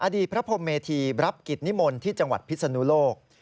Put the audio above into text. อดีตพระพรมเมธีรับกิจนิมนต์ที่จังหวัดพิศนุโลก